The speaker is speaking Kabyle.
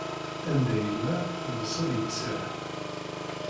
Anda yella, lebṣel yeţraḥ.